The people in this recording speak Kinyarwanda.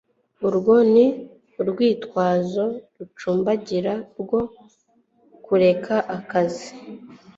Urwo ni urwitwazo rucumbagira rwo kureka akazi